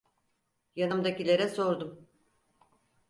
Yanımdakilere sordum.